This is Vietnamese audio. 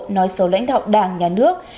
nói xấu lãnh đạo đảng nhà nước